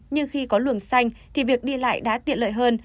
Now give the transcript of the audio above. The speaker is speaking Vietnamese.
nhưng khi có luồng xanh thì việc đi lại đã tiện lợi hơn